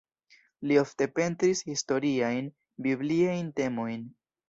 Li ofte pentris historiajn, bibliajn temojn.